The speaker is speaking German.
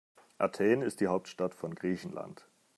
Athen ist die Hauptstadt von Griechenland.